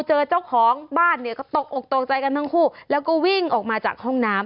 เจ้าของบ้านเนี่ยก็ตกอกตกใจกันทั้งคู่แล้วก็วิ่งออกมาจากห้องน้ำ